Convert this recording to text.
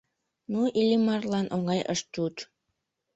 Нуно Иллимарлан оҥай ышт чуч.